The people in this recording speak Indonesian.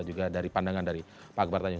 juga dari pandangan dari pak akbar tanjung